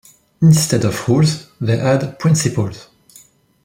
Instead of rules, they had principles.